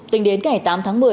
tính đến ngày tám tháng một mươi